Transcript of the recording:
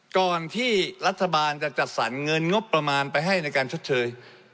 ก่อนที่รัฐบาลจะจัดสรรเงินงบประมาณไปให้ในการชดเชย